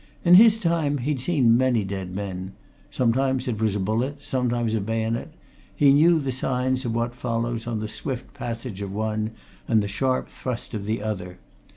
In his time he had seen many dead men sometimes it was a bullet, sometimes a bayonet; he knew the signs of what follows on the swift passage of one and the sharp thrust of the other.